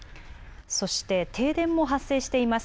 そして停電も発生しています。